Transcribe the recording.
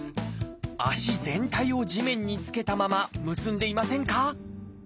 足全体を地面に着けたまま結んでいませんか？